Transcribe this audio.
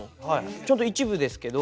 ちょっと一部ですけど。